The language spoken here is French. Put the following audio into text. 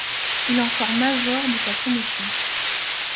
Il en sort major de sa promotion.